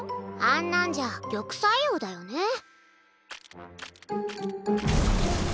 あんなんじゃ「玉砕王」だよね。